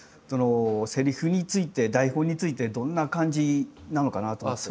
セリフについて台本についてどんな感じなのかなと思って。